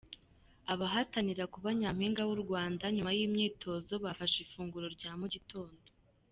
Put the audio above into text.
Abahatanira kuba Nyampinga w’u Rwanda nyuma y’imyitozo bafashe ifunguro rya mu gitondo.